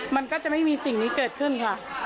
มันก็จะไม่มีสิ่งนี้เกิดขึ้นค่ะ